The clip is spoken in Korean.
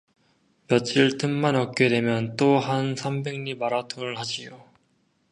며칠 틈만 얻게 되면 또 한 삼백 리 마라톤을 하지요.